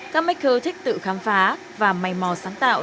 các make thích tự khám phá và may mò sáng tạo